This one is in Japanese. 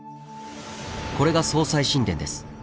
これが葬祭神殿です。